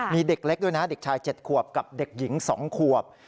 มีเด็กเล็กด้วยนะเด็กชาย๗ขวบกับเด็กหญิง๒ขวบ